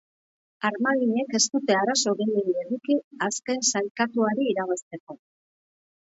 Armaginek ez dute arazo gehiegi eduki azken sailkatuari irabazteko.